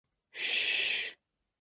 洛苏人口变化图示